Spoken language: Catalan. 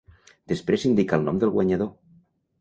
Després s'indica el nom del guanyador.